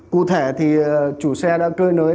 cụ thể thì chủ xe đã cơi nới